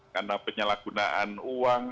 karena penyalahgunaan uang